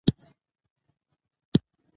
د انسانانو تر منځ توپيرونه نشي لیدلای.